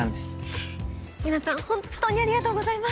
えっ皆さん本当にありがとうございます。